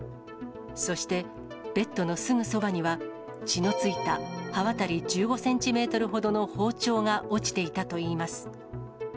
そして、ベッドのすぐそばには、血のついた刃渡り１５センチメートルほどの包丁が落ちていたといいます。